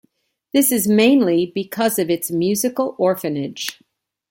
This is mainly because of its musical orphanage.